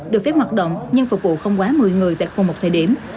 được phép hoạt động nhưng phục vụ không quá một mươi người tại khu một thời điểm